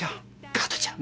カトちゃん。